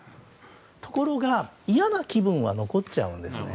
ところが、嫌な気分は残っちゃうんですね。